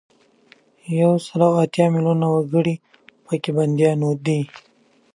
یو سل او اتیا میلونه وګړي په کې بندیان دي.